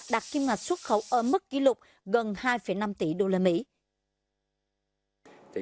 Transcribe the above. đạt kim ngạch xuất khẩu ở mức kỷ lục gần hai năm tỷ đô la mỹ